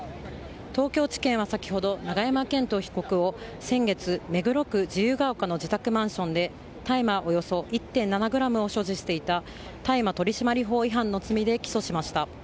東京地検は先ほど永山絢斗被告を先月、目黒区自由が丘の自宅マンションで大麻およそ１．７ｇを所持していた大麻取締法違反の罪で起訴しました。